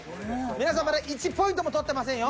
皆さんまだ１ポイントも取ってませんよ。